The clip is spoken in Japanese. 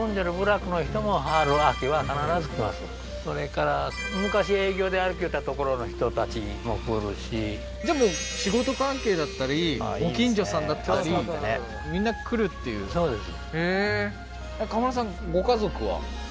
それから昔営業で歩きよった所の人たちも来るしじゃあもう仕事関係だったりご近所さんだったりみんな来るっていうそうです